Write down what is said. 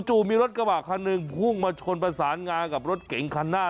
มีรถกระบะคันหนึ่งพุ่งมาชนประสานงากับรถเก๋งคันหน้า